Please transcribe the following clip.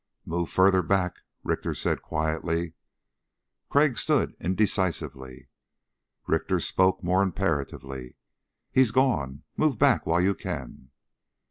"Move further back," Richter said quietly. Crag stood indecisively. Richter spoke more imperatively. "He's gone. Move back while you can."